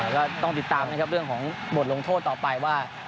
ก็ต้องติดตามนะครับเรื่องของบทลงโทษต่อไปว่า